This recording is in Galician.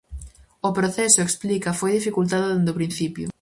O proceso, explica, foi dificultado dende o principio.